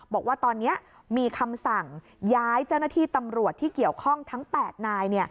บอกว่าตอนนี้มีคำสั่งย้ายเจ้าหน้าที่ตำรวจที่เกี่ยวข้องทั้ง๘นาย